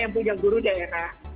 yang punya guru daerah